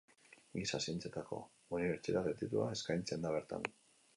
Giza Zientzietako Unibertsitate Titulua eskaintzen da bertan.